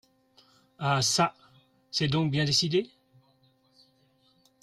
Ah çà ! c’est donc bien décidé ?…